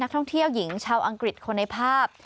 ท่องเที่ยวหญิงชาวอังกฤษคนในภาพ